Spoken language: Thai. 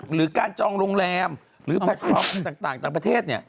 หรือการจองโรงแรมหรือแพลตฟอร์มต่างต่างประเทศ